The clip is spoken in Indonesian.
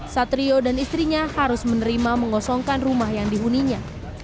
satrio dan istrinya harus menerima mengosongkan rumah yang dihuninya